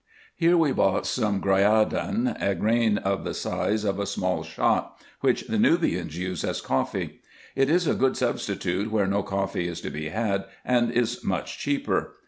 Here we bought some gryadan, a grain of the size of a small shot, which the Nubians use as coffee. It is a good substitute where no coffee is to be had, and is much cheaper.